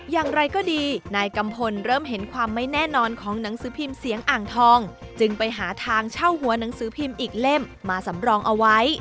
อย่างไรก็ดีนายกัมพลเริ่มเห็นความไม่แน่นอนของหนังสือพิมพ์เสียงอ่างทองจึงไปหาทางเช่าหัวหนังสือพิมพ์อีกเล่มมาสำรองเอาไว้